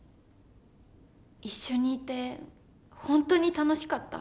一緒にいて本当に楽しかった。